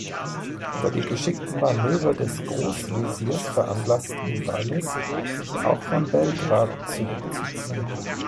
Aber die geschickten Manöver des Großwesirs veranlassten Wallis sich auch von Belgrad zurückzuziehen.